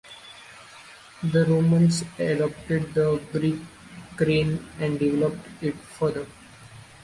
The Romans adopted the Greek crane and developed it further.